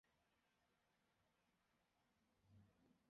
因他在代数的工作和他编写的多本教科书而闻名。